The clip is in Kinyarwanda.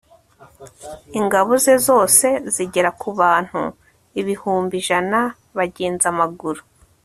ingabo ze zose zigera ku bantu ibihumbi ijana bagenza amaguru